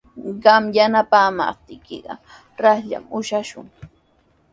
Qam yanapaamaptiykiqa raslla ushashun.